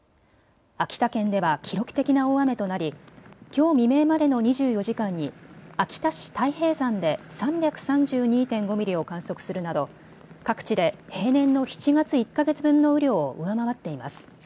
秋田県では記録的な大雨となりきょう未明までの２４時間に秋田市太平山で３３２．５ミリを観測するなど各地で平年の７月１か月分の雨量を上回っています。